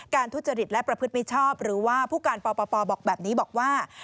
ทุจริตและประพฤติมิชชอบหรือว่าผู้การปปบอกแบบนี้บอกว่า